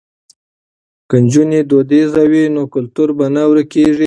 که نجونې دودیزې وي نو کلتور به نه ورکيږي.